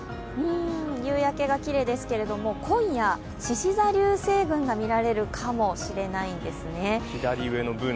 夕焼けがきれいですけれども、今夜、しし座流星群が見られるかもしれないんですね。